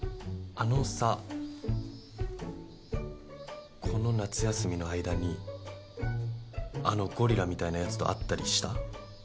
あのさこの夏休みの間にあのゴリラみたいなやつと会ったりした？